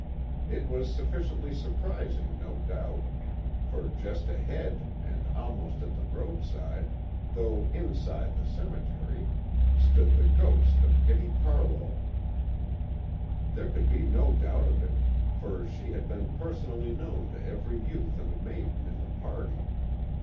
It was sufficiently surprising, no doubt, for just ahead, and almost at the roadside, though inside the cemetery, stood the ghost of Hetty Parlow. There could be no doubt of it, for she had been personally known to every youth and maiden in the party.